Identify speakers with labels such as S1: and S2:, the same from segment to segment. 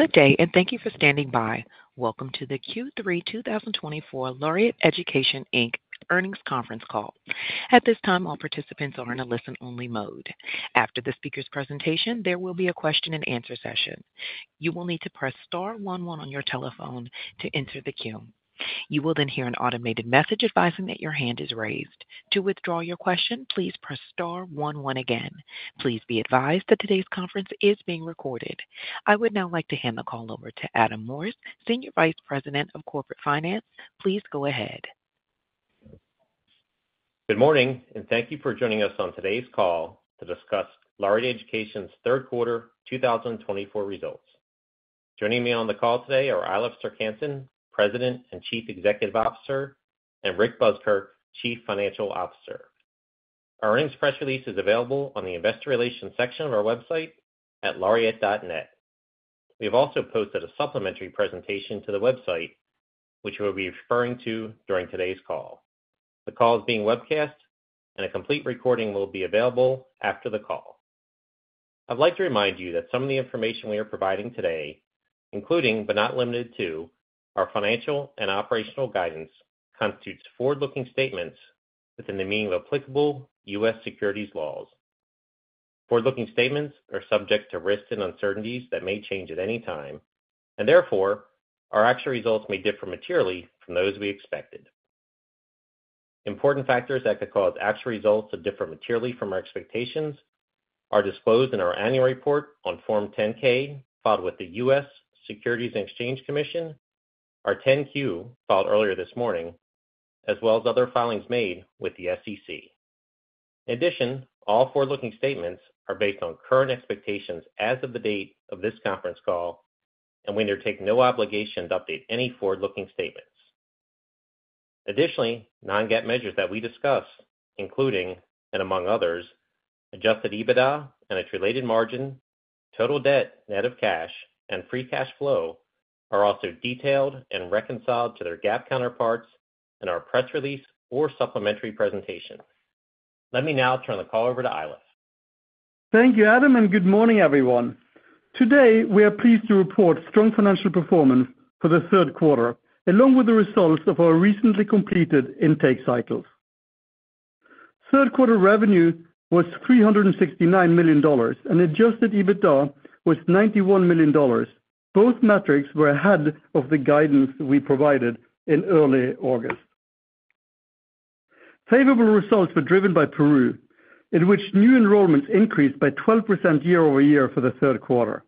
S1: Good day, and thank you for standing by. Welcome to the Q3 2024 Laureate Education Inc. earnings conference call. At this time, all participants are in a listen-only mode. After the speaker's presentation, there will be a question-and-answer session. You will need to press star 11 on your telephone to enter the queue. You will then hear an automated message advising that your hand is raised. To withdraw your question, please press star 11 again. Please be advised that today's conference is being recorded. I would now like to hand the call over to Adam Morse, Senior Vice President of Corporate Finance. Please go ahead.
S2: Good morning, and thank you for joining us on today's call to discuss Laureate Education's third quarter 2024 results. Joining me on the call today are Eilif Serck-Hanssen, President and Chief Executive Officer, and Rick Buskirk, Chief Financial Officer. Our earnings press release is available on the Investor Relations section of our website at laureate.net. We have also posted a supplementary presentation to the website, which we'll be referring to during today's call. The call is being webcast, and a complete recording will be available after the call. I'd like to remind you that some of the information we are providing today, including but not limited to, our financial and operational guidance, constitutes forward-looking statements within the meaning of applicable U.S. securities laws. Forward-looking statements are subject to risks and uncertainties that may change at any time, and therefore, our actual results may differ materially from those we expected. Important factors that could cause actual results to differ materially from our expectations are disclosed in our annual report on Form 10-K, filed with the U.S. Securities and Exchange Commission, our 10-Q, filed earlier this morning, as well as other filings made with the SEC. In addition, all forward-looking statements are based on current expectations as of the date of this conference call, and we undertake no obligation to update any forward-looking statements. Additionally, non-GAAP measures that we discuss, including, and among others, Adjusted EBITDA and its related margin, total debt, net of cash, and free cash flow, are also detailed and reconciled to their GAAP counterparts in our press release or supplementary presentation. Let me now turn the call over to Eilif.
S3: Thank you, Adam, and good morning, everyone. Today, we are pleased to report strong financial performance for the third quarter, along with the results of our recently completed intake cycles. Third quarter revenue was $369 million, and Adjusted EBITDA was $91 million. Both metrics were ahead of the guidance we provided in early August. Favorable results were driven by Peru, in which new enrollments increased by 12% year-over-year for the third quarter.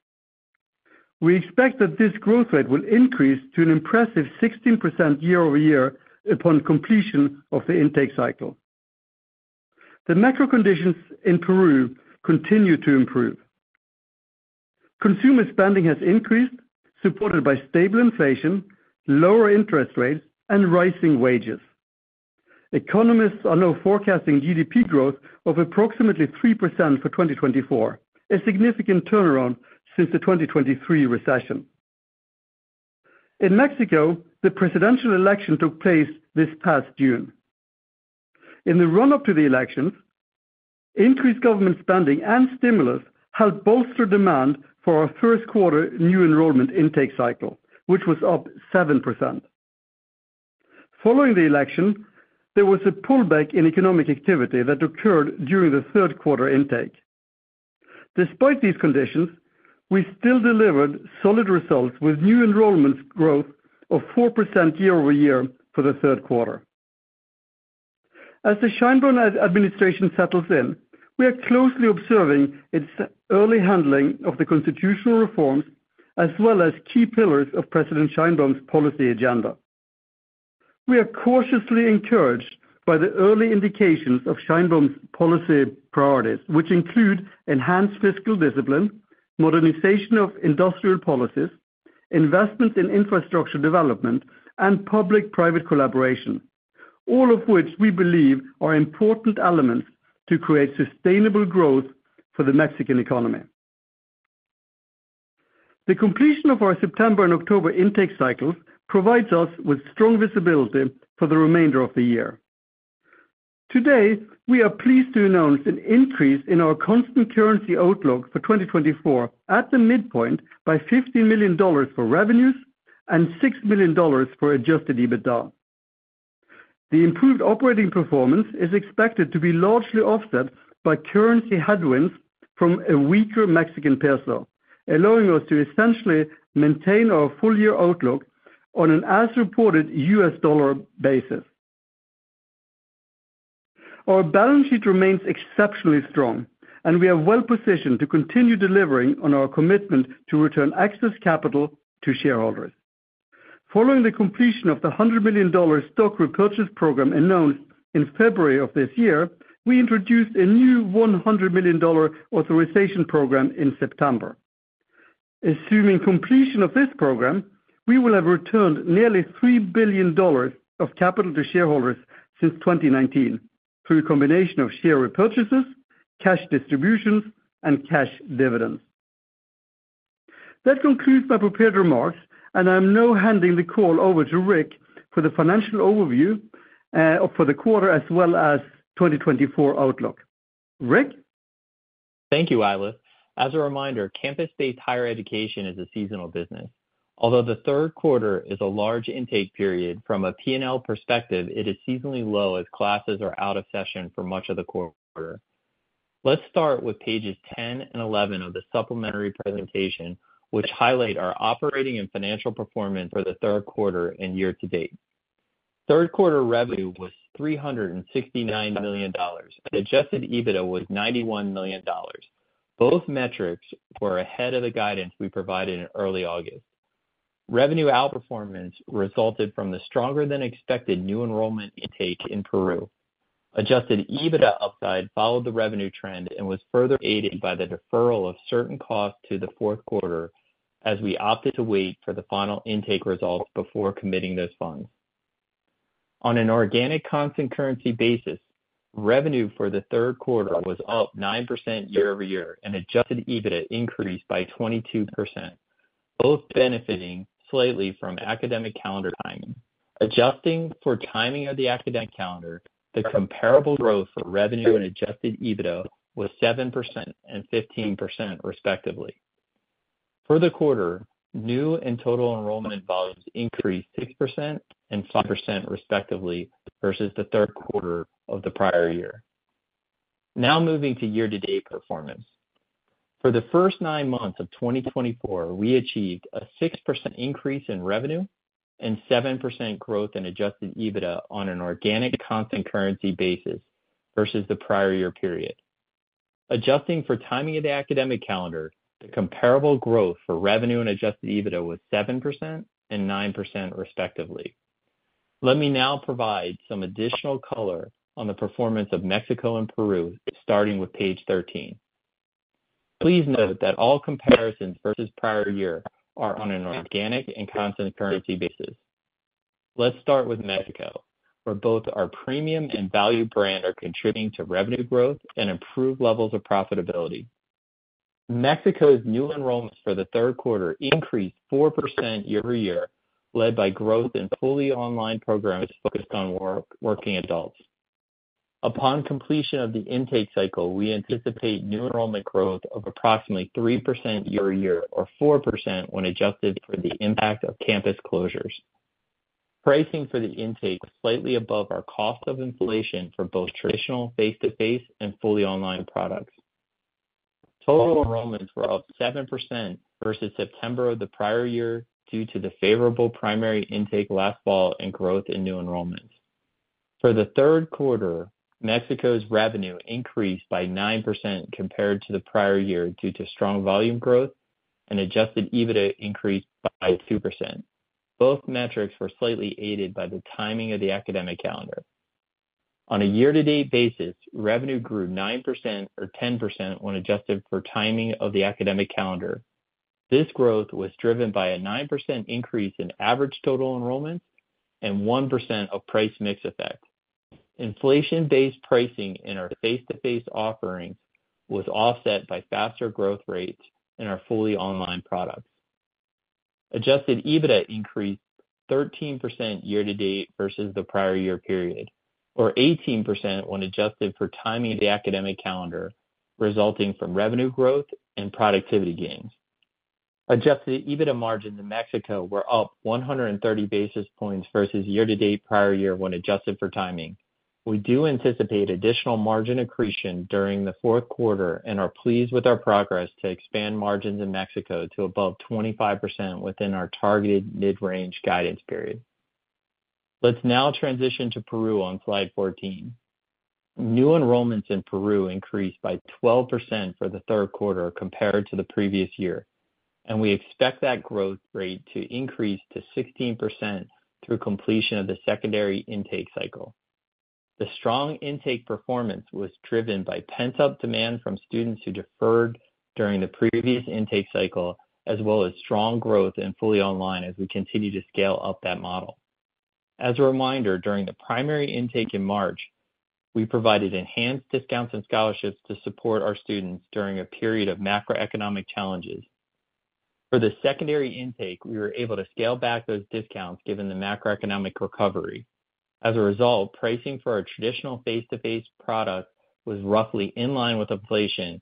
S3: We expect that this growth rate will increase to an impressive 16% year-over-year upon completion of the intake cycle. The macro conditions in Peru continue to improve. Consumer spending has increased, supported by stable inflation, lower interest rates, and rising wages. Economists are now forecasting GDP growth of approximately 3% for 2024, a significant turnaround since the 2023 recession. In Mexico, the presidential election took place this past June. In the run-up to the elections, increased government spending and stimulus helped bolster demand for our first quarter new enrollment intake cycle, which was up 7%. Following the election, there was a pullback in economic activity that occurred during the third quarter intake. Despite these conditions, we still delivered solid results with new enrollments growth of 4% year-over-year for the third quarter. As the Sheinbaum administration settles in, we are closely observing its early handling of the constitutional reforms as well as key pillars of President Sheinbaum's policy agenda. We are cautiously encouraged by the early indications of Sheinbaum's policy priorities, which include enhanced fiscal discipline, modernization of industrial policies, investments in infrastructure development, and public-private collaboration, all of which we believe are important elements to create sustainable growth for the Mexican economy. The completion of our September and October intake cycles provides us with strong visibility for the remainder of the year. Today, we are pleased to announce an increase in our constant currency outlook for 2024 at the midpoint by $15 million for revenues and $6 million for Adjusted EBITDA. The improved operating performance is expected to be largely offset by currency headwinds from a weaker Mexican peso, allowing us to essentially maintain our full-year outlook on an as-reported U.S. dollar basis. Our balance sheet remains exceptionally strong, and we are well-positioned to continue delivering on our commitment to return excess capital to shareholders. Following the completion of the $100 million stock repurchase program announced in February of this year, we introduced a new $100 million authorization program in September. Assuming completion of this program, we will have returned nearly $3 billion of capital to shareholders since 2019 through a combination of share repurchases, cash distributions, and cash dividends. That concludes my prepared remarks, and I'm now handing the call over to Rick for the financial overview for the quarter as well as 2024 outlook. Rick?
S4: Thank you, Eilif. As a reminder, campus-based higher education is a seasonal business. Although the third quarter is a large intake period, from a P&L perspective, it is seasonally low as classes are out of session for much of the quarter. Let's start with pages 10 and 11 of the supplementary presentation, which highlight our operating and financial performance for the third quarter and year to date. Third quarter revenue was $369 million, and Adjusted EBITDA was $91 million. Both metrics were ahead of the guidance we provided in early August. Revenue outperformance resulted from the stronger-than-expected new enrollment intake in Peru. Adjusted EBITDA upside followed the revenue trend and was further aided by the deferral of certain costs to the fourth quarter as we opted to wait for the final intake results before committing those funds. On an organic constant currency basis, revenue for the third quarter was up 9% year-over-year, and Adjusted EBITDA increased by 22%, both benefiting slightly from academic calendar timing. Adjusting for timing of the academic calendar, the comparable growth for revenue and Adjusted EBITDA was 7% and 15%, respectively. For the quarter, new and total enrollment volumes increased 6% and 5%, respectively, versus the third quarter of the prior year. Now moving to year-to-date performance. For the first nine months of 2024, we achieved a 6% increase in revenue and 7% growth in Adjusted EBITDA on an organic constant currency basis versus the prior year period. Adjusting for timing of the academic calendar, the comparable growth for revenue and Adjusted EBITDA was 7% and 9%, respectively. Let me now provide some additional color on the performance of Mexico and Peru, starting with page 13. Please note that all comparisons versus prior year are on an organic and constant currency basis. Let's start with Mexico, where both our premium and value brand are contributing to revenue growth and improved levels of profitability. Mexico's new enrollments for the third quarter increased 4% year-over-year, led by growth in fully online programs focused on working adults. Upon completion of the intake cycle, we anticipate new enrollment growth of approximately 3% year-over-year, or 4% when adjusted for the impact of campus closures. Pricing for the intake was slightly above our cost of inflation for both traditional face-to-face and fully online products. Total enrollments were up 7% versus September of the prior year due to the favorable primary intake last fall and growth in new enrollments. For the third quarter, Mexico's revenue increased by 9% compared to the prior year due to strong volume growth, and Adjusted EBITDA increased by 2%. Both metrics were slightly aided by the timing of the academic calendar. On a year-to-date basis, revenue grew 9% or 10% when adjusted for timing of the academic calendar. This growth was driven by a 9% increase in average total enrollments and 1% of price mix effect. Inflation-based pricing in our face-to-face offerings was offset by faster growth rates in our fully online products. Adjusted EBITDA increased 13% year-to-date versus the prior year period, or 18% when adjusted for timing of the academic calendar, resulting from revenue growth and productivity gains. Adjusted EBITDA margins in Mexico were up 130 basis points versus year-to-date prior year when adjusted for timing. We do anticipate additional margin accretion during the fourth quarter and are pleased with our progress to expand margins in Mexico to above 25% within our targeted mid-range guidance period. Let's now transition to Peru on slide 14. New enrollments in Peru increased by 12% for the third quarter compared to the previous year, and we expect that growth rate to increase to 16% through completion of the secondary intake cycle. The strong intake performance was driven by pent-up demand from students who deferred during the previous intake cycle, as well as strong growth in fully online as we continue to scale up that model. As a reminder, during the primary intake in March, we provided enhanced discounts and scholarships to support our students during a period of macroeconomic challenges. For the secondary intake, we were able to scale back those discounts given the macroeconomic recovery. As a result, pricing for our traditional face-to-face products was roughly in line with inflation,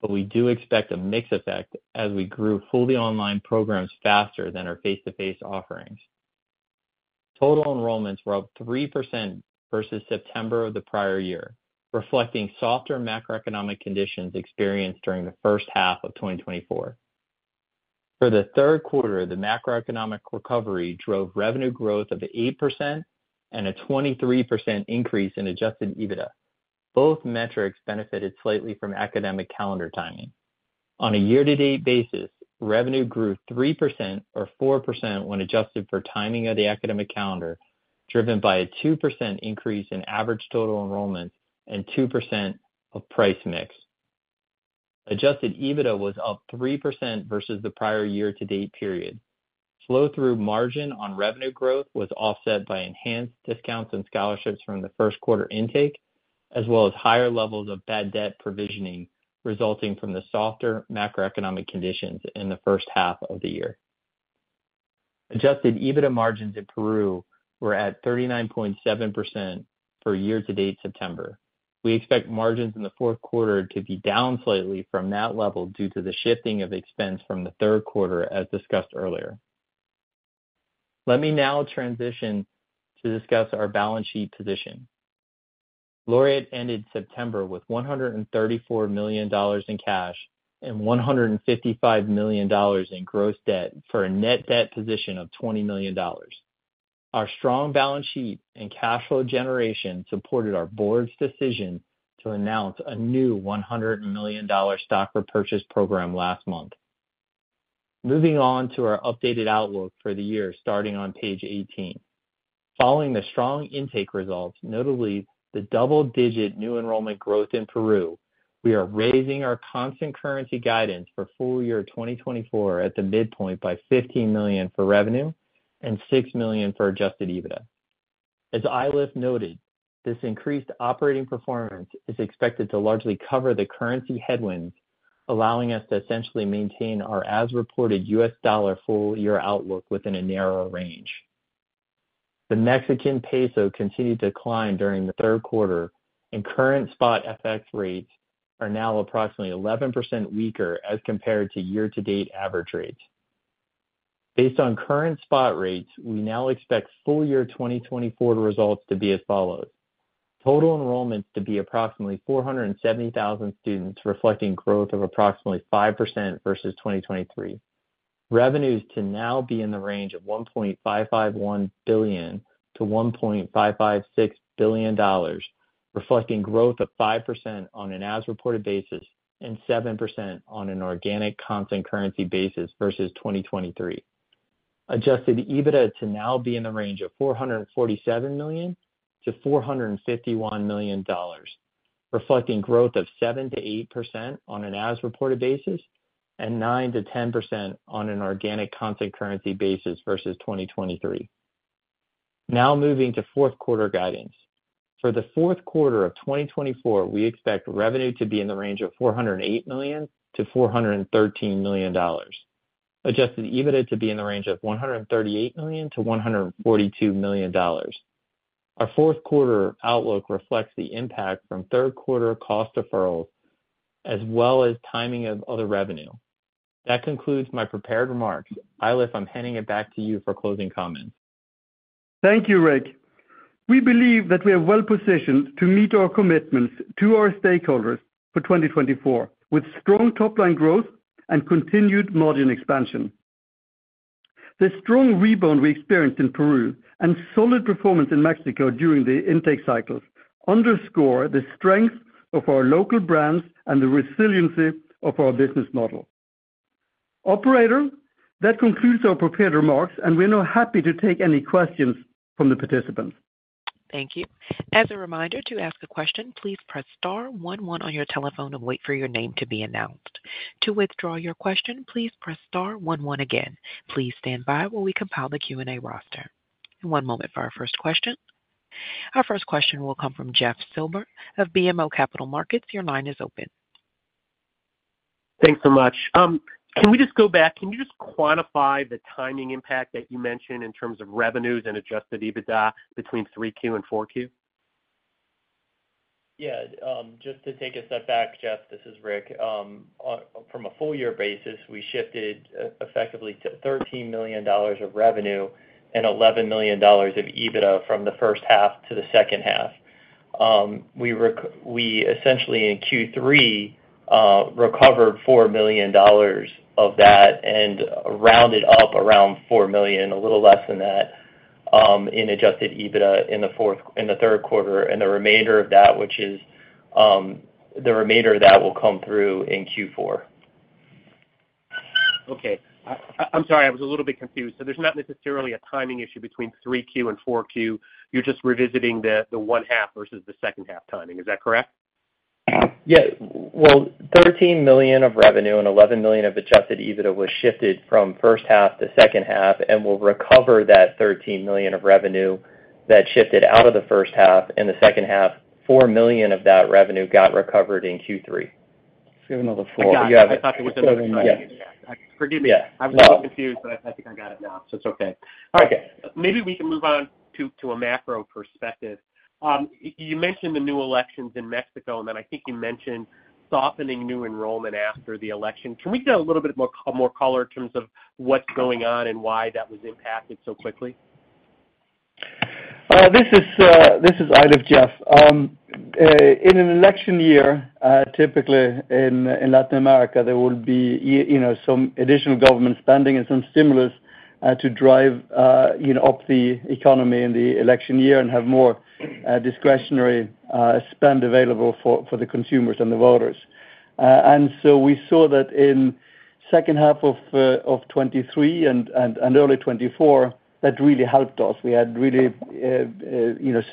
S4: but we do expect a mix effect as we grew fully online programs faster than our face-to-face offerings. Total enrollments were up 3% versus September of the prior year, reflecting softer macroeconomic conditions experienced during the first half of 2024. For the third quarter, the macroeconomic recovery drove revenue growth of 8% and a 23% increase in Adjusted EBITDA. Both metrics benefited slightly from academic calendar timing. On a year-to-date basis, revenue grew 3% or 4% when adjusted for timing of the academic calendar, driven by a 2% increase in average total enrollments and 2% of price mix. Adjusted EBITDA was up 3% versus the prior year-to-date period. Flow-through margin on revenue growth was offset by enhanced discounts and scholarships from the first quarter intake, as well as higher levels of bad debt provisioning resulting from the softer macroeconomic conditions in the first half of the year. Adjusted EBITDA margins in Peru were at 39.7% for year-to-date September. We expect margins in the fourth quarter to be down slightly from that level due to the shifting of expense from the third quarter, as discussed earlier. Let me now transition to discuss our balance sheet position. Laureate ended September with $134 million in cash and $155 million in gross debt for a net debt position of $20 million. Our strong balance sheet and cash flow generation supported our board's decision to announce a new $100 million stock repurchase program last month. Moving on to our updated outlook for the year, starting on page 18. Following the strong intake results, notably the double-digit new enrollment growth in Peru, we are raising our constant currency guidance for full year 2024 at the midpoint by $15 million for revenue and $6 million for Adjusted EBITDA. As Eilif noted, this increased operating performance is expected to largely cover the currency headwinds, allowing us to essentially maintain our as-reported U.S. dollar full-year outlook within a narrower range. The Mexican peso continued to climb during the third quarter, and current spot FX rates are now approximately 11% weaker as compared to year-to-date average rates. Based on current spot rates, we now expect full year 2024 results to be as follows: total enrollments to be approximately 470,000 students, reflecting growth of approximately 5% versus 2023. Revenues to now be in the range of $1.551 billion-$1.556 billion, reflecting growth of 5% on an as-reported basis and 7% on an organic constant currency basis versus 2023. Adjusted EBITDA to now be in the range of $447 million-$451 million, reflecting growth of 7%-8% on an as-reported basis and 9%-10% on an organic constant currency basis versus 2023. Now moving to fourth quarter guidance. For the fourth quarter of 2024, we expect revenue to be in the range of $408 million-$413 million. Adjusted EBITDA to be in the range of $138 million-$142 million. Our fourth quarter outlook reflects the impact from third quarter cost deferrals as well as timing of other revenue. That concludes my prepared remarks. Eilif, I'm handing it back to you for closing comments.
S3: Thank you, Rick. We believe that we are well-positioned to meet our commitments to our stakeholders for 2024 with strong top-line growth and continued margin expansion. The strong rebound we experienced in Peru and solid performance in Mexico during the intake cycles underscore the strength of our local brands and the resiliency of our business model. Operator, that concludes our prepared remarks, and we're now happy to take any questions from the participants.
S1: Thank you. As a reminder, to ask a question, please press star 11 on your telephone and wait for your name to be announced. To withdraw your question, please press star 11 again. Please stand by while we compile the Q&A roster. One moment for our first question. Our first question will come from Jeff Silber of BMO Capital Markets. Your line is open.
S5: Thanks so much. Can we just go back? Can you just quantify the timing impact that you mentioned in terms of revenues and Adjusted EBITDA between 3Q and 4Q?
S4: Yeah. Just to take a step back, Jeff, this is Rick. From a full-year basis, we shifted effectively to $13 million of revenue and $11 million of EBITDA from the first half to the second half. We essentially, in Q3, recovered $4 million of that and rounded up around $4 million, a little less than that, in adjusted EBITDA in the third quarter, and the remainder of that, which is the remainder of that, will come through in Q4.
S5: Okay. I'm sorry. I was a little bit confused. So there's not necessarily a timing issue between 3Q and 4Q. You're just revisiting the one-half versus the second-half timing. Is that correct?
S4: Yeah, well, $13 million of revenue and $11 million of adjusted EBITDA was shifted from first half to second half and will recover that $13 million of revenue that shifted out of the first half. In the second half, $4 million of that revenue got recovered in Q3.
S5: Give another four.
S4: Yeah. I thought there was another one. Forgive me. I was a little confused, but I think I got it now, so it's okay.
S5: Okay. Maybe we can move on to a macro perspective. You mentioned the new elections in Mexico, and then I think you mentioned softening new enrollment after the election. Can we get a little bit more color in terms of what's going on and why that was impacted so quickly?
S3: This is Eilif, Jeff. In an election year, typically in Latin America, there will be some additional government spending and some stimulus to drive up the economy in the election year and have more discretionary spend available for the consumers and the voters, and so we saw that in the second half of 2023 and early 2024, that really helped us. We had really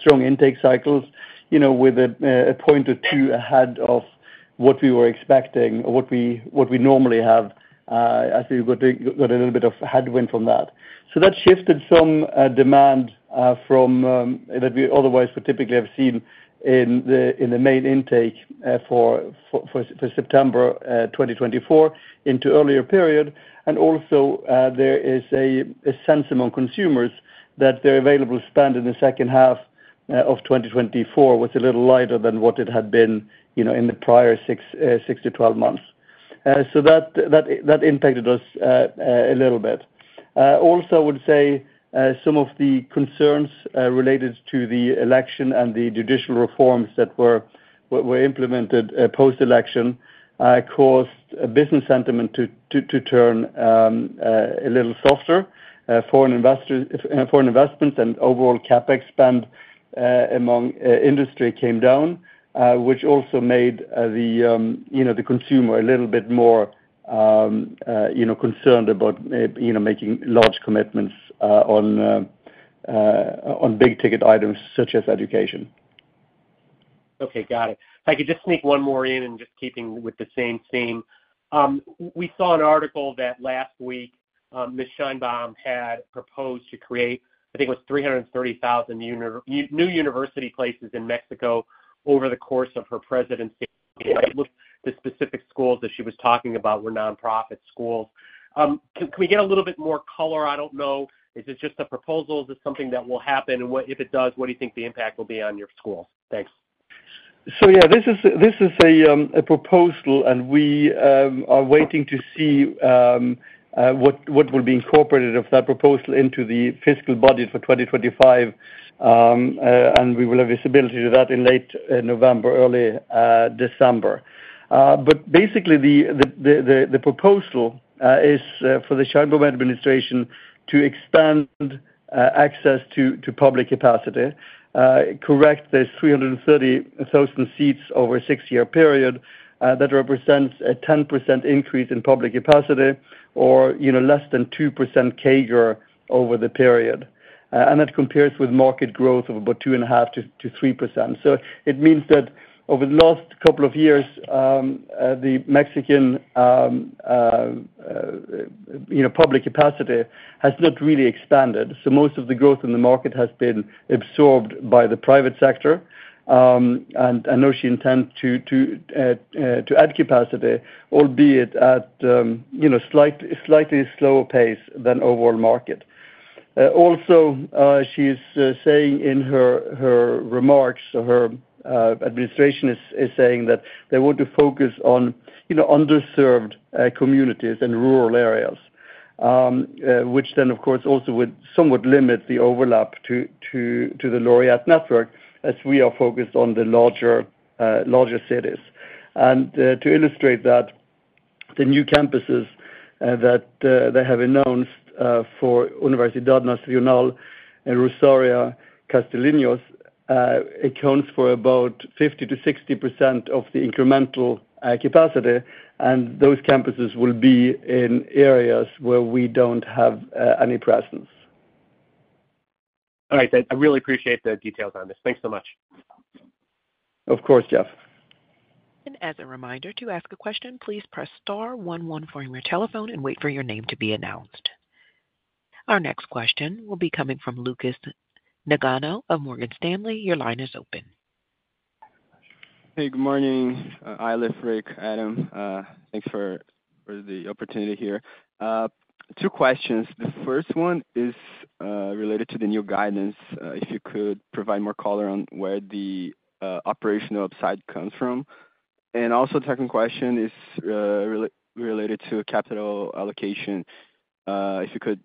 S3: strong intake cycles with a point or two ahead of what we were expecting, what we normally have, as we got a little bit of headwind from that. So that shifted some demand from that we otherwise would typically have seen in the main intake for September 2024 into earlier period, and also, there is a sense among consumers that their available spend in the second half of 2024 was a little lighter than what it had been in the prior 6 to 12 months. So that impacted us a little bit. Also, I would say some of the concerns related to the election and the judicial reforms that were implemented post-election caused business sentiment to turn a little softer. Foreign investments and overall CapEx spend among industry came down, which also made the consumer a little bit more concerned about making large commitments on big-ticket items such as education.
S5: Okay. Got it. If I could just sneak one more in and just keeping with the same theme. We saw an article that last week Ms. Sheinbaum had proposed to create. I think it was 330,000 new university places in Mexico over the course of her presidency. It looked like the specific schools that she was talking about were nonprofit schools. Can we get a little bit more color? I don't know. Is it just a proposal? Is it something that will happen? And if it does, what do you think the impact will be on your schools? Thanks.
S3: Yeah, this is a proposal, and we are waiting to see what will be incorporated of that proposal into the fiscal budget for 2025, and we will have visibility to that in late November, early December. But basically, the proposal is for the Sheinbaum administration to expand access to public capacity, add those 330,000 seats over a six-year period that represents a 10% increase in public capacity or less than 2% CAGR over the period. That compares with market growth of about 2.5%-3%. It means that over the last couple of years, the Mexican public capacity has not really expanded. Most of the growth in the market has been absorbed by the private sector. I know she intends to add capacity, albeit at a slightly slower pace than the overall market. Also, she is saying in her remarks, her administration is saying that they want to focus on underserved communities and rural areas, which then, of course, also would somewhat limit the overlap to the Laureate Network as we are focused on the larger cities. And to illustrate that, the new campuses that they have announced for Universidad Nacional and Universidad Rosario Castellanos accounts for about 50%-60% of the incremental capacity, and those campuses will be in areas where we don't have any presence.
S5: All right. I really appreciate the details on this. Thanks so much.
S3: Of course, Jeff.
S1: As a reminder, to ask a question, please press star 11 for your telephone and wait for your name to be announced. Our next question will be coming from Lucas Nagano of Morgan Stanley. Your line is open.
S6: Hey, good morning. Eilif, Rick, Adam. Thanks for the opportunity here. Two questions. The first one is related to the new guidance. If you could provide more color on where the operational upside comes from. And also, the second question is related to capital allocation. If you could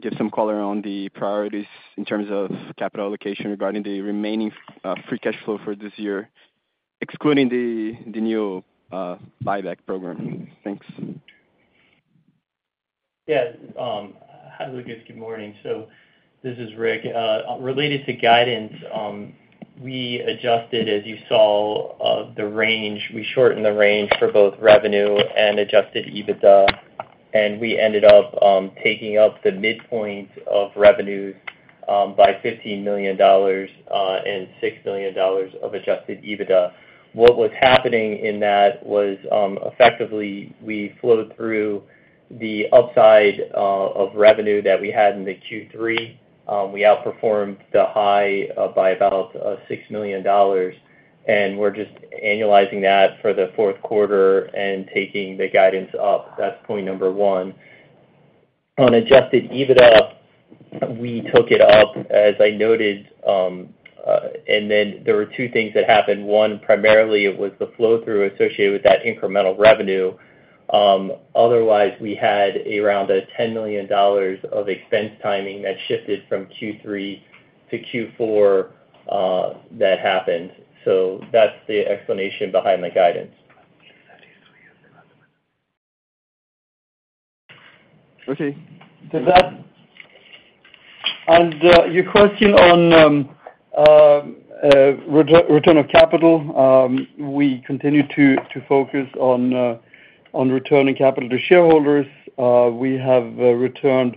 S6: give some color on the priorities in terms of capital allocation regarding the remaining free cash flow for this year, excluding the new buyback program. Thanks.
S4: Yeah. Hi, Lucas. Good morning, so this is Rick. Related to guidance, we adjusted, as you saw, the range. We shortened the range for both revenue and Adjusted EBITDA, and we ended up taking up the midpoint of revenues by $15 million and $6 million of Adjusted EBITDA. What was happening in that was, effectively, we flowed through the upside of revenue that we had in the Q3. We outperformed the high by about $6 million, and we're just annualizing that for the fourth quarter and taking the guidance up. That's point number one. On Adjusted EBITDA, we took it up, as I noted, and then there were two things that happened. One, primarily, it was the flow-through associated with that incremental revenue. Otherwise, we had around a $10 million of expense timing that shifted from Q3 to Q4 that happened. So that's the explanation behind the guidance.
S3: Okay. And your question on return of capital, we continue to focus on returning capital to shareholders. We have returned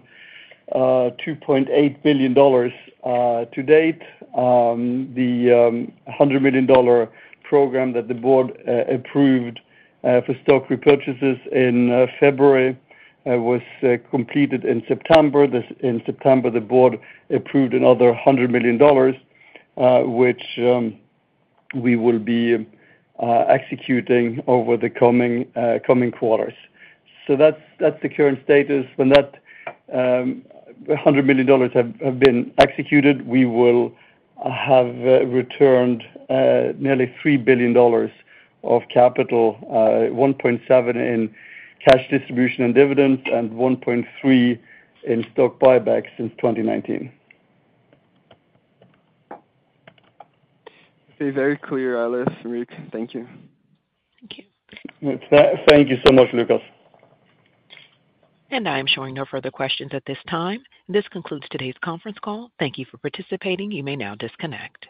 S3: $2.8 billion to date. The $100 million program that the board approved for stock repurchases in February was completed in September. In September, the board approved another $100 million, which we will be executing over the coming quarters. So that's the current status. When that $100 million have been executed, we will have returned nearly $3 billion of capital, 1.7 in cash distribution and dividends, and 1.3 in stock buyback since 2019.
S6: Very clear, Eilif. Rick, thank you.
S3: Thank you so much, Lucas.
S1: I am showing no further questions at this time. This concludes today's conference call. Thank you for participating. You may now disconnect.